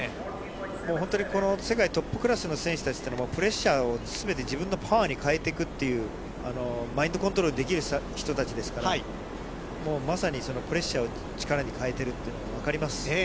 本当にこの世界トップクラスの選手たちというのは、プレッシャーをすべて自分のパワーに変えていくという、マインドコントロールできる人たちですから、まさにプレッシャーを力に変えているというのが分かります。